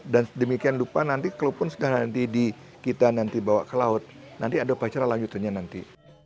dan demikian lupa nanti kalau pun sudah nanti di kita nanti bawa ke laut nanti ada pacaran lanjutnya nanti